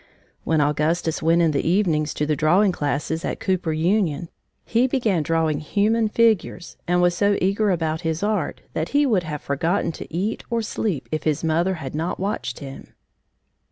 When Augustus went in the evenings to the drawing classes at Cooper Union, he began drawing human figures and was so eager about his art that he would have forgotten to eat or sleep if his mother had not watched him.